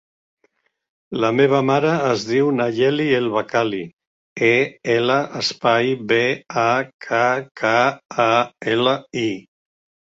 La meva mare es diu Nayeli El Bakkali: e, ela, espai, be, a, ca, ca, a, ela, i.